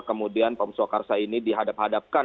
kemudian pam swakarsa ini dihadap hadapkan